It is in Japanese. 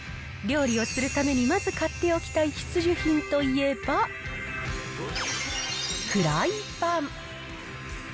料理をするためにまず買っておきたい必需品といえば、フライパン。